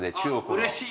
うれしい！